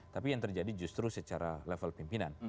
tapi yang terjadi justru secara level pimpinan